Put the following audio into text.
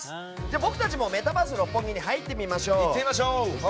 僕たちもメタバース六本木に入ってみましょう。